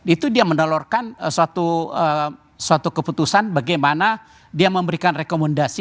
itu dia mendolorkan suatu keputusan bagaimana dia memberikan rekomendasi